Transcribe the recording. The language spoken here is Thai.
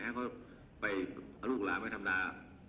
ให้เขาไปเอาลูกหลานไปทำนา